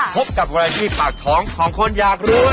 พบกับรายที่ปากท้องของคนอยากรวย